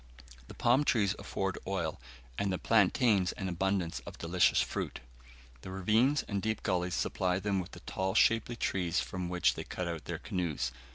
The palm trees afford oil, and the plantains an abundance of delicious fruit. The ravines and deep gullies supply them with the tall shapely trees from which they cut out their canoes.